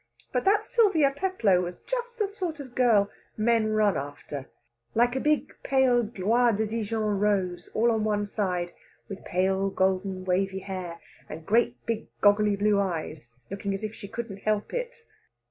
But that Sylvia Peplow was just the sort of girl men run after, like a big pale gloire de Dijon rose all on one side, with pale golden wavy hair, and great big goggly blue eyes, looking as if she couldn't help it!